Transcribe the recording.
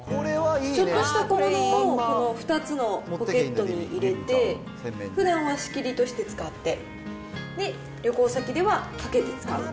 ちょっとした小物を、この２つのポケットに入れて、ふだんは仕切りとして使って、旅行先ではかけて使う。